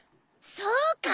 そうか。